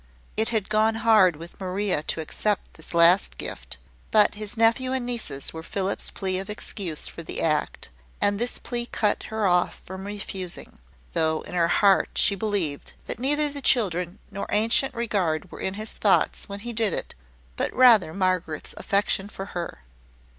It had gone hard with Maria to accept this last gift; but his nephew and nieces were Philip's plea of excuse for the act; and this plea cut her off from refusing: though in her heart she believed that neither the children nor ancient regard were in his thoughts when he did it, but rather Margaret's affection for her.